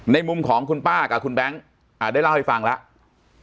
มุมของคุณป้ากับคุณแบงค์ได้เล่าให้ฟังแล้ว